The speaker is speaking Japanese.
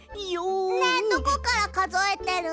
ねえどこからかぞえてるの？